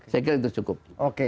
saya kira itu cukup